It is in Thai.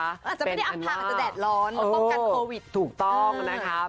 อาจจะไม่ได้อำพางอาจจะแดดร้อนแล้วป้องกันโควิดถูกต้องนะครับ